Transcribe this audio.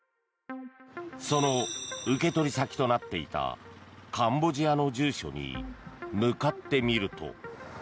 その受取先となっていたカンボジアの住所に向かってみると。